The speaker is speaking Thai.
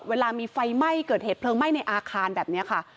เวลามีไฟไหม้เกิดเหตุเพลิงไหม้ในอาคารแบบนี้ค่ะ